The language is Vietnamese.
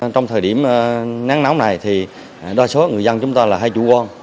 trong thời điểm nắng nóng này đôi số người dân chúng ta là hai chú